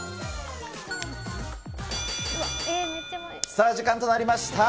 さあ、時間となりました。